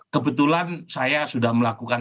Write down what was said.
kebetulan saya sudah melakukan